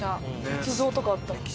仏像とかあった。